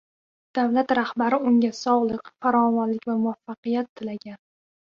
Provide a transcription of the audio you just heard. Davlat rahbari unga sog‘lik, farovonlik va muvaffaqiyat tilagan